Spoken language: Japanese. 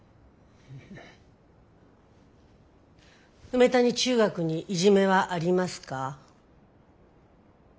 梅谷中学にいじめはありますか？